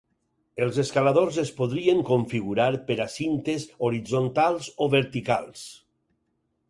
Els escaladors es podrien configurar per a cintes horitzontals o verticals.